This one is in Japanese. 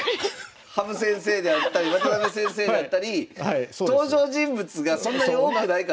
羽生先生であったり渡辺先生であったり登場人物がそんなに多くないから。